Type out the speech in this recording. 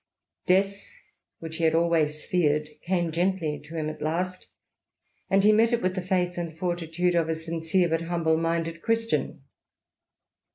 Death, which he had always feared, came gently to him at last, and he met it with the faith and fortitude of a sincere but humble minded Christian.